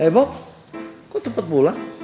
eh bob kok tepat pulang